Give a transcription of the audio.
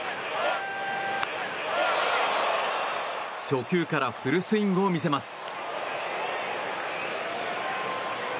初球からフルスイングを見せます。